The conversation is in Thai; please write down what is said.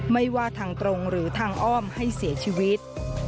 ไม่ว่าทางตรงหรือทางอ้อมให้เสียชีวิต